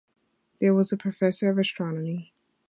There he was professor of astronomy.